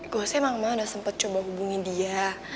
gue sih emang emang udah sempet coba hubungin dia